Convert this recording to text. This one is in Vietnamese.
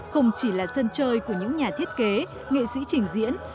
không chỉ là sân chơi của những nhà thiết kế nghệ sĩ trình diễn